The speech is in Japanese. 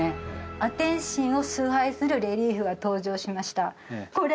アテン神を崇拝するレリーフが登場しましたこれ？